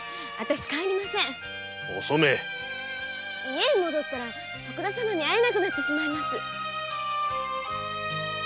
家に戻ったら徳田様に会えなくなってしまいます。